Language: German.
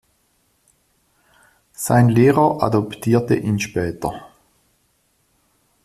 Sein Lehrer adoptierte ihn später.